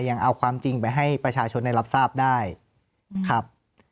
ยังเอาความจริงไปให้ประชาชนได้รับทราบได้ครับ